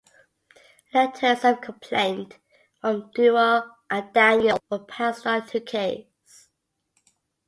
Letters of complaint from Dewar and Daniel were passed on to Keyes.